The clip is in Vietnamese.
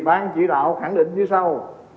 bán chỉ đạo khẳng định như sau